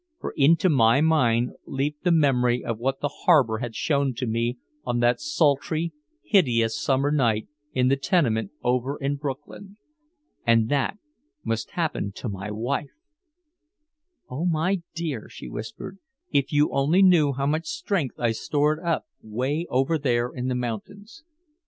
For into my mind leaped the memory of what the harbor had shown to me on that sultry hideous summer night in the tenement over in Brooklyn. And that must happen to my wife! "Oh, my dear," she whispered, "if you only knew how much strength I stored up way over there in the mountains."